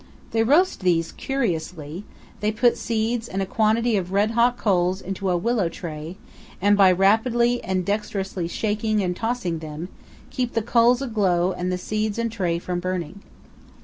They roast these curiously; they put seeds and a quantity of red hot coals into a willow tray and, by rapidly and dexterously shaking and tossing them, keep the coals aglow and the seeds and tray from burning.